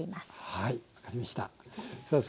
はい分かりました。